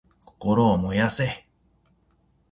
心を燃やせ！